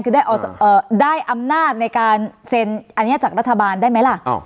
คือได้อำนาจในการเซ็นอันนี้จากรัฐบาลได้ไหมล่ะ